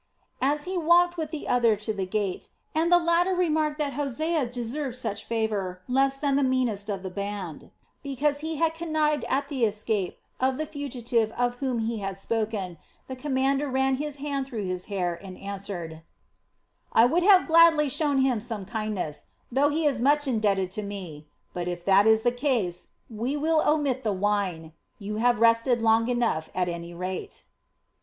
As he walked with the other to the gate, and the latter remarked that Hosea deserved such favor less than the meanest of the band, because he had connived at the escape of the fugitive of whom he had just spoken, the commander ran his hand through his hair, and answered: "I would gladly have shown him some kindness, though he is much indebted to me; but if that is the case, we will omit the wine; you have rested long enough at any rate."